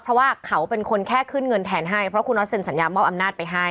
เพราะว่าเขาเป็นคนแค่ขึ้นเงินแทนให้เพราะคุณน็อตเซ็นสัญญามอบอำนาจไปให้